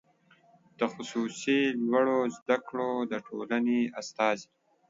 د خصوصي لوړو زده کړو د ټولنې استازی